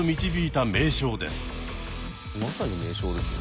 まさに名将ですよ